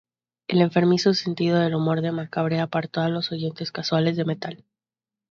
El enfermizo sentido del humor de Macabre apartó a los oyentes casuales de metal.